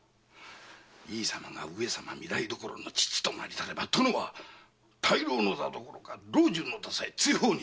井伊様が上様御台所の父となりたれば殿は大老の座どころか老中の座さえ追放に！